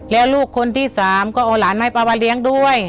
แล้วลูกคนที่สามก็เอาหลานมาให้ป้ามาเลี้ยงด้วย